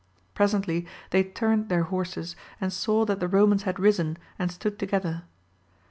Presently they turned their horses, and saw that the Romans had risen, and stood together.